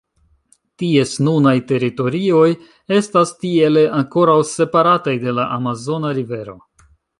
Ties nunaj teritorioj estas tiele ankoraŭ separataj de la Amazona rivero.